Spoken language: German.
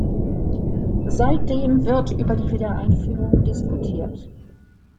Seitdem wird über die Wiedereinführung diskutiert.